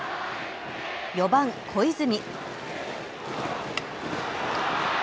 ４番・小泉。